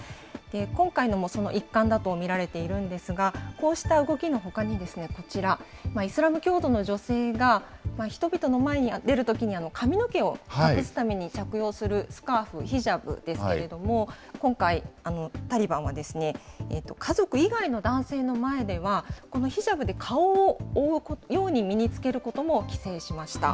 今回のもその一環だと見られているんですが、こうした動きのほかにこちら、イスラム教徒の女性が人々の前に出るときに髪の毛を隠すために着用するスカーフ、ヒジャブですけれども、今回、タリバンは家族以外の男性の前では、このヒジャブで顔を覆うように身につけることも規制しました。